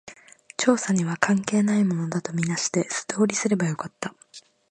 調査には関係ないものだと見なして、素通りすればよかった